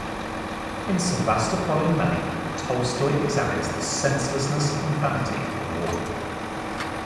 In "Sevastopol in May," Tolstoy examines the senselessness and vanity of war.